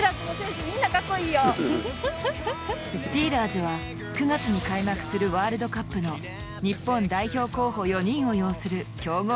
スティーラーズは９月に開幕するワールドカップの日本代表候補４人を擁する強豪チームだ。